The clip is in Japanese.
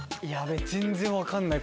全然分かんない。